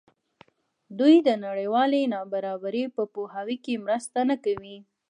دوی د نړیوالې نابرابرۍ په پوهاوي کې مرسته نه کوي.